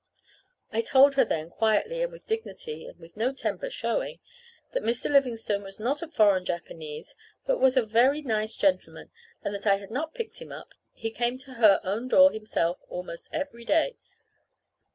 I told her then quietly, and with dignity, and with no temper (showing), that Mr. Livingstone was not a foreign Japanese, but was a very nice gentleman; and that I had not picked him up. He came to her own door himself, almost every day.